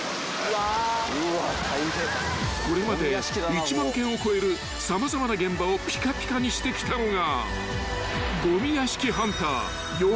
［これまで１万件を超える様々な現場をぴかぴかにしてきたのが］